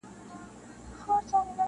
را وتلی په ژوند نه وو له ځنګلونو -